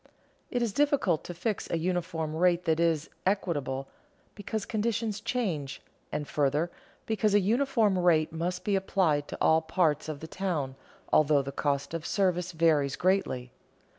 It is difficult to fix a uniform rate that is equitable, because conditions change, and, further, because a uniform rate must be applied to all parts of the town, although the cost of service varies greatly.